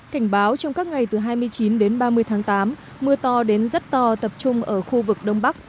cảnh báo trong các ngày từ hai mươi chín đến ba mươi tháng tám mưa to đến rất to tập trung ở khu vực đông bắc